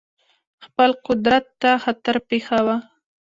خپل قدرت ته خطر پېښاوه.